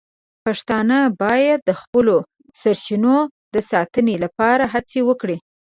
پښتانه باید د خپلو سرچینو د ساتنې لپاره هڅې وکړي.